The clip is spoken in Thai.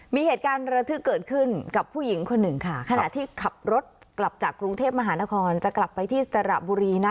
มีเหตุการณ์ระทึกเกิดขึ้นกับผู้หญิงคนหนึ่งค่ะขณะที่ขับรถกลับจากกรุงเทพมหานครจะกลับไปที่สระบุรีนะ